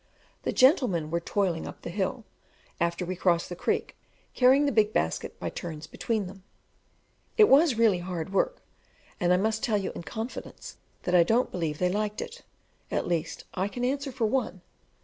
The gentlemen were toiling up the hill, after we had crossed the creek, carrying the big basket by turns between them; it was really hard work, and I must tell you in confidence, that I don't believe they liked it at least I can answer for one.